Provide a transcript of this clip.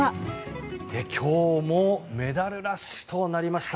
今日もメダルラッシュとなりました。